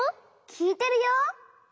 きいてるよ。